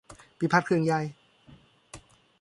ปี่พาทย์เครื่องใหญ่